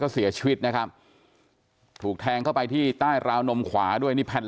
เสียชีวิตนะครับถูกแทงเข้าไปที่ใต้ราวนมขวาด้วยนี่แผ่น